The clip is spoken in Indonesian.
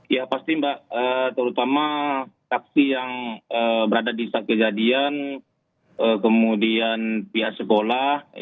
ya pasti mbak terutama taksi yang berada di saat kejadian kemudian pihak sekolah